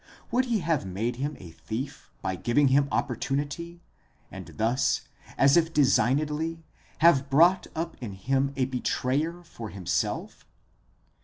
Would he have made him a thief by giving him opportunity, and thus, as if designedly, have brought up in him a betrayer for himself?